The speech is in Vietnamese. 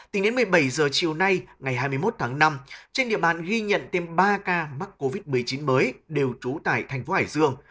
tính đến một mươi bảy h chiều nay ngày hai mươi một tháng năm trên địa bàn ghi nhận thêm ba ca mắc covid một mươi chín mới đều trú tại thành phố hải dương